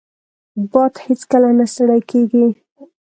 باد هیڅکله نه ستړی کېږي